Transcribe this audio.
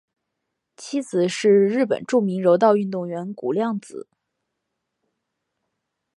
妻子是日本著名柔道运动员谷亮子。